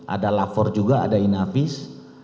ada lapor juga ada inavis